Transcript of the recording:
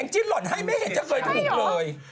จิ้นหล่อนให้ไม่เห็นจะเคยถูกเลย